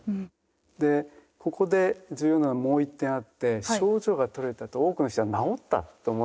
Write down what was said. でここで重要なのがもう１点あって症状が取れたあと多くの人は治ったと思っちゃうんですよね。